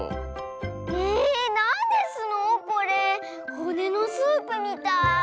ほねのスープみたい。